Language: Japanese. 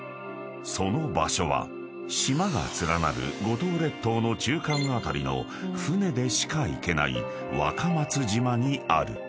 ［その場所は島が連なる五島列島の中間辺りの船でしか行けない若松島にある］